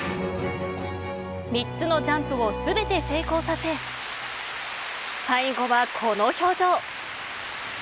３つのジャンプを全て成功させ最後はこの表情。